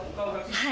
はい。